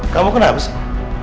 kamu kenapa sih